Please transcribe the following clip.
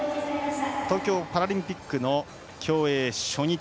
東京パラリンピックの競泳初日。